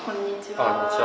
あこんにちは。